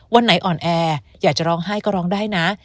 วันไหนอ่อนแออยากจะร้องไห้ก็ร้องได้นะ